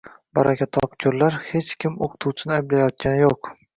Baraka topkurlar, hech kim oʻqituvchini ayblayotgani yoʻq.